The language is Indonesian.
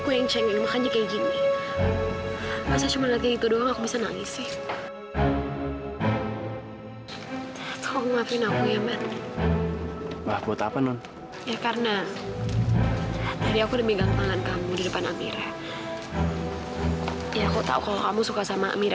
ya aku tahu kalau kamu suka sama amira